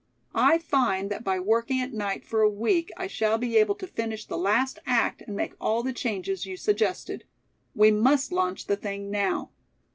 I find that by working at night for a week I shall be able to finish the last act and make all the changes you suggested. We must launch the thing now.